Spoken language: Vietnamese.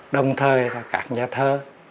đồng thời các nhà thơ